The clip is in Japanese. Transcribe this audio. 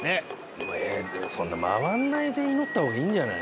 えそんな回んないで祈ったほうがいいんじゃない？